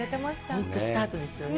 本当、スタートですよね。